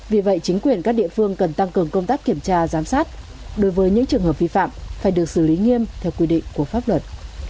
vì vậy chính quyền các địa phương cần tăng cường công tác kiểm tra giám sát đối với những trường hợp vi phạm phải được xử lý nghiêm theo quy định của pháp luật